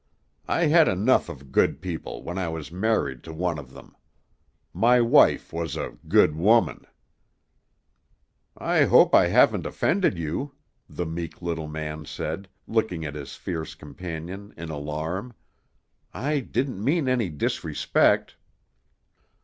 I had enough of good people when I was married to one of them; my wife was a Good Woman." "I hope I haven't offended you," the meek little man said, looking at his fierce companion in alarm. "I didn't mean any disrespect."